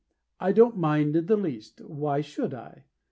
I don't mind in the least. Why should I?